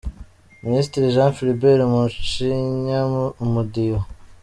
Minisitiri Jean Philbert mu gucinya umudiho.